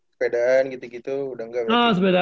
sepedaan gitu gitu udah enggak berarti